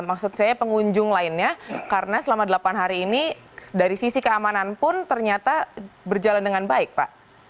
maksud saya pengunjung lainnya karena selama delapan hari ini dari sisi keamanan pun ternyata berjalan dengan baik pak